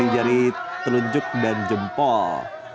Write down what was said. jari telunjuk dan jempol